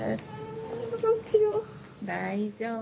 大丈夫。